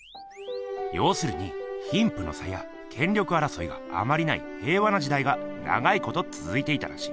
要するに貧富の差や権力争いがあまりない平和な時代が長いことつづいていたらしい。